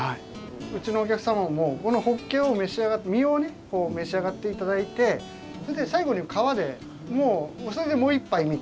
うちのお客様もこのホッケを召し上がって身をね召し上がって頂いてそれで最後に皮でそれでもう１杯みたいな。